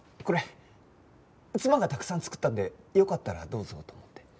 これ妻がたくさん作ったんでよかったらどうぞと思って。